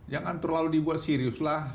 jangan terlalu dibuat serius lah